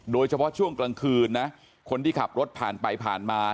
โดยเฉพาะช่วงกลางคืนนะคนที่ขับรถผ่านไปผ่านมา